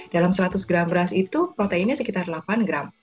dalam seratus gram beras itu proteinnya sekitar delapan gram